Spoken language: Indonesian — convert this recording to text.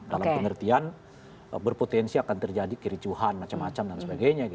dalam pengertian berpotensi akan terjadi kericuhan dan sebagainya